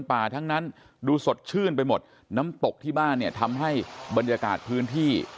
ป่าทั้งนั้นดูสดชื่นไปหมดน้ำตกที่บ้านเนี่ยทำให้บรรยากาศพื้นที่